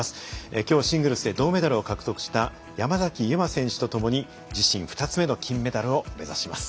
きょう、シングルスで銅メダルを獲得した山崎悠麻選手と共に自身２つ目の金メダルを目指します。